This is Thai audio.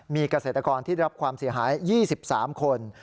มีเกษตรกรที่ได้รับความเสียหาย๒๓คน